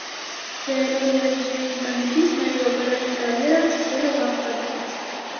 Սերելով երաժիշտների ընտանիքից՝ նա իր օպերային կարիերան սկսել է վաղ տարիքից։